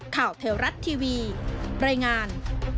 ข่าวเทวรัฐทีวีรายงาน